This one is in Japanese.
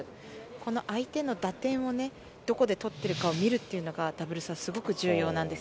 この相手の打点をどこで取っているかを見るというのがダブルスはすごく重要なんです。